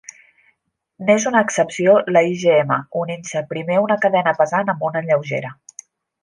N'és una excepció la IgM, unint-se primer una cadena pesant amb una lleugera.